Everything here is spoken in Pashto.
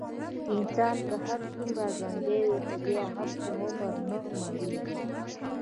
انسان که هرڅومره ژوندی وي، خو بیا هم په عمر نه مړېږي.